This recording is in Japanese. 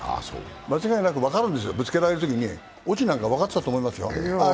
間違いなく分かるんですよ、ぶつけられるときに、落なんか分かってたと思いますよ。